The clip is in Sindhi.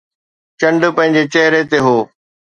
چنڊ پنهنجي چهري تي هو